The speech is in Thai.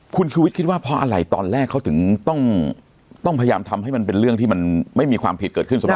คุณชูวิทย์คิดว่าเพราะอะไรตอนแรกเขาถึงต้องพยายามทำให้มันเป็นเรื่องที่มันไม่มีความผิดเกิดขึ้นสำหรับ